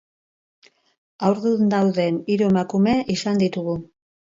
Haurdun dauden hiru emakume izan ditugu.